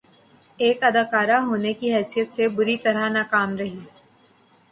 ایک اداکار ہونے کی حیثیت سے بری طرح ناکام رہی